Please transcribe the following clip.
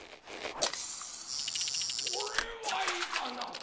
これはいかな事。